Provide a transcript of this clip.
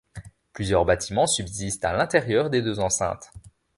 Plusieurs bâtiments subsistent à l'intérieur des deux enceintes.